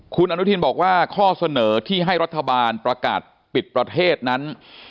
คุณอนุทินบอกว่าข้อเสนอที่ให้รัฐบาลประกาศปิดประเทศนั้น